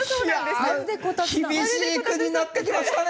いやあ厳しい国になってきましたね